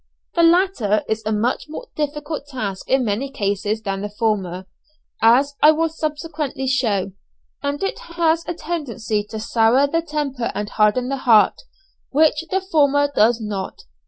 The latter is a much more difficult task in many cases than the former, as I will subsequently show, and it has a tendency to sour the temper and harden the heart, which the former does not.